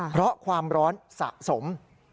เพราะความร้อนสะสม